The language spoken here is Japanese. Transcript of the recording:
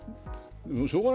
しょうがない。